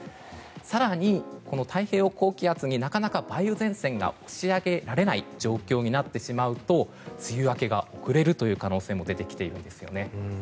更に太平洋高気圧になかなか梅雨前線が押し上げられない状況になってしまうと梅雨明けが遅れるという可能性も出てきているんですよね。